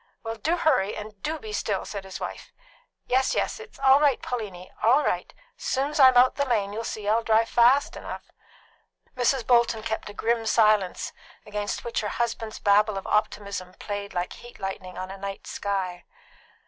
"Well, do hurry, and do be still!" said his wife. "Yes, yes. It's all right, Pauliny; all right. Soon's I'm out the lane, you'll see't I'll drive fast enough." Mrs. Bolton kept a grim silence, against which her husband's babble of optimism played like heat lightning on a night sky.